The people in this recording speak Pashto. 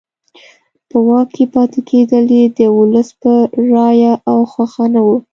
په واک کې پاتې کېدل یې د ولس په رایه او خوښه نه وو.